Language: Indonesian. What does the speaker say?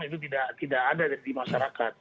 itu tidak ada di masyarakat